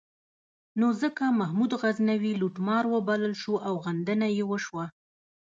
نو ځکه محمود غزنوي لوټمار وبلل شو او غندنه یې وشوه.